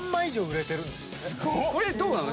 これどうなの？